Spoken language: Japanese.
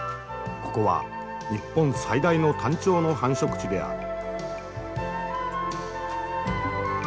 ここは日本最大のタンチョウの繁殖地である。